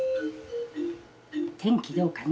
天気どうかな？